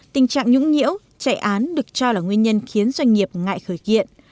tình trạng nhũng nhiễu chạy án được cho là nguyên nhân khiến doanh nghiệp ngại khởi kiện